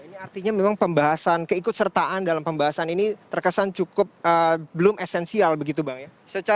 ini artinya memang pembahasan keikut sertaan dalam pembahasan ini terkesan cukup belum esensial begitu bang ya